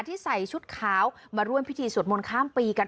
ใส่ชุดขาวมาร่วมพิธีสวดมนต์ข้ามปีกัน